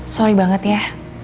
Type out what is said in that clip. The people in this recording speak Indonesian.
sorry banget ya